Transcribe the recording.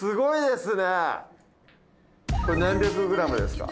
これ何百グラムですか？